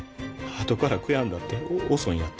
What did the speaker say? あとから悔やんだって遅いんやて。